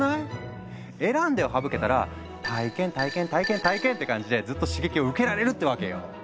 「選んで」を省けたら「体験」「体験」「体験」「体験」って感じでずっと刺激を受けられるってわけよ。